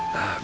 nah gue paham